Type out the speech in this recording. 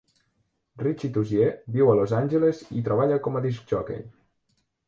Richi Tozier viu a Los Angeles i treballa com a discjòquei.